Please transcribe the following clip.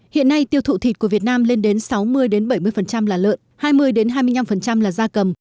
hiện nay tiêu thụ thịt của việt nam lên đến sáu mươi bảy mươi là lợn hai mươi hai mươi năm là da cầm